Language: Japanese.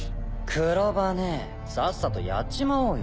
クロバネさっさとやっちまおうよ。